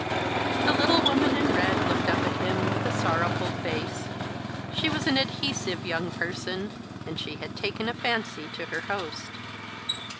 The little woman in red looked up at him with a sorrowful face. She was an adhesive young person, and she had taken a fancy to her host.